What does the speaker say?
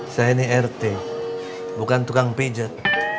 saya ini rt bukan tukang pijat